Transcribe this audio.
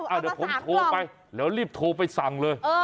เดี๋ยวผมโทรไปแล้วรีบโทรไปสั่งเลย